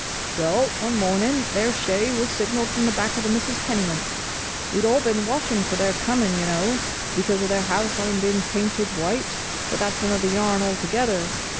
"Well, one morning their shay was signalled from the back of the Misses Pennymint. We'd all been watching for their coming, y' know, because of their house having been painted white—but that's another yarn altogether.